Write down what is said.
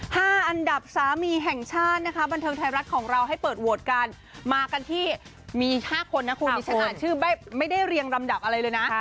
ห้าอันดับสามีแห่งชาตินะคะบันเทิงไทยรัฐของเราให้เปิดโหวตกันมากันที่มีห้าคนนะคุณดิฉันอ่านชื่อไม่ได้เรียงลำดับอะไรเลยนะ